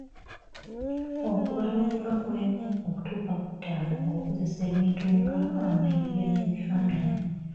Okubala okuva ku emu okutuuka ku ttaano ng’okozesa ebintu nga: amayinja n'ebifaananyi .